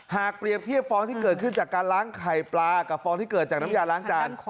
เปรียบเทียบฟองที่เกิดขึ้นจากการล้างไข่ปลากับฟองที่เกิดจากน้ำยาล้างจาน